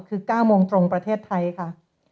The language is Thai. คือ๙โมงตรงประเทศไทยค่ะ